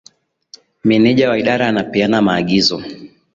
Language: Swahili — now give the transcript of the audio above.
Meneja wa idara anapeana maagizo